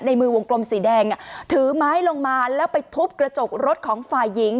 ในมือวงกลมสีแดงถือไม้ลงมาแล้วไปทุบกระจกรถของฝ่ายหญิง